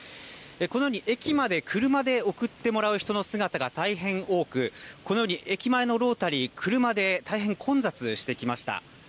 このように駅まで車で送ってもらう人の姿が大変多く、このように駅前のロータリー、車で大変混雑してきました。